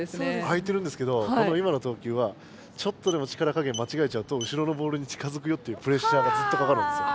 あいてるんですけどこの今の投球はちょっとでも力かげんまちがえちゃうと後ろのボールに近づくよっていうプレッシャーがずっとかかるんですよ。